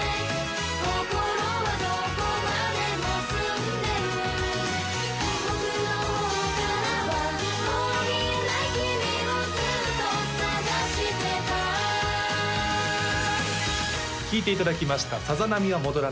心はどこまでも澄んでる僕の方からはもう見えない君をずっと探してた聴いていただきました「さざ波は戻らない」